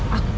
ma tau gak